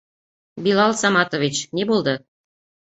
Билал Саматович, ни булды?